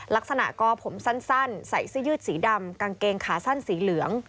ลักษณะก็ผมสั้นใส่เสื้อยืดสีดำกางเกงขาสั้นสีเหลือง